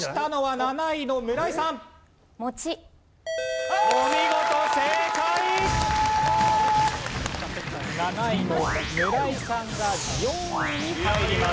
７位の村井さんが４位に入ります。